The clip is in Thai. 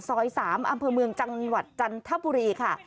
ซอย๓อำเภอเมืองจังหวัดจันทบุรีค่ะ